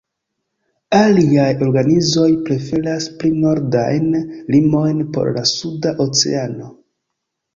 Aliaj organizoj preferas pli nordajn limojn por la Suda Oceano.